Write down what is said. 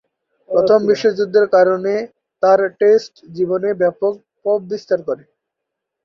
প্রথম বিশ্বযুদ্ধের কারণে তার টেস্ট জীবনে ব্যাপক প্রভাববিস্তার করে।